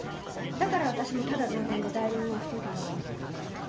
だから私もタダ同然で代理人を引き受けたわ